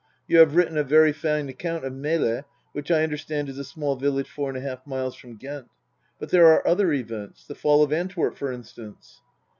You have written a very fine account of Melle, which I understand is a small village four and a half miles from Ghent. But there are other events the Fall of Antwerp, for instance."